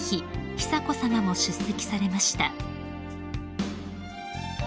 久子さまも出席されました］